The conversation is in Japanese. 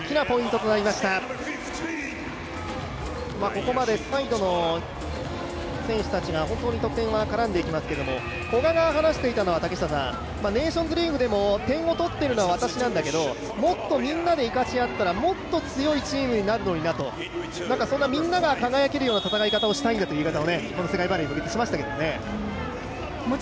ここまでサイドの選手たちが本当に得点絡んでいますけれども古賀が話していたのはネーションズリーグでも点を取っているのは私なんだけれどももっとみんなで生かし合ったらもっと強いチームになるのになとそんな、みんなが輝けるような戦い方をしたいんだという話し方を、この世界バレーに向けて話していましたけれども。